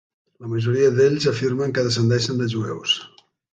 La majoria d'ells afirmen que descendeixen de jueus.